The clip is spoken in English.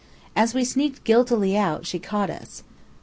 As we sneaked guiltily out, she caught us.